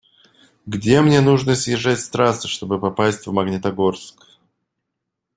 Где мне нужно съезжать с трассы, чтобы попасть в Магнитогорск?